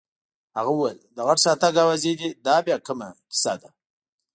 هغه وویل: د غټ شاتګ اوازې دي، دا بیا کومه کیسه ده؟